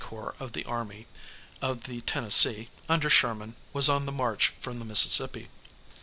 corps of the Army of the Tennessee, under Sherman, was on the march from the Mississippi.